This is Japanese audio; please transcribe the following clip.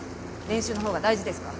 練習のほうが大事ですか？